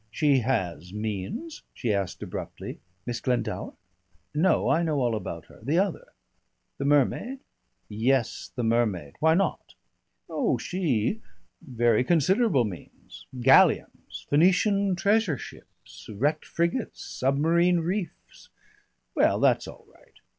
"She has means?" she asked abruptly. "Miss Glendower?" "No. I know all about her. The other?" "The mermaid?" "Yes, the mermaid. Why not?" "Oh, she Very considerable means. Galleons. Phoenician treasure ships, wrecked frigates, submarine reefs " "Well, that's all right.